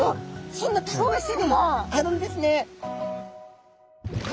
そんなたくましさがあるんですね。